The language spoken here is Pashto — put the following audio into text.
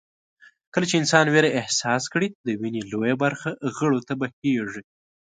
کله چې انسان وېره احساس کړي د وينې لويه برخه غړو ته بهېږي.